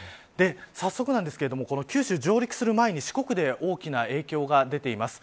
早速なんですが九州に上陸する前に四国で大きな影響が出ています。